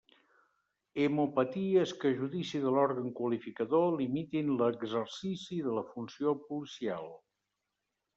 Hemopaties que a judici de l'òrgan qualificador limitin l'exercici de la funció policial.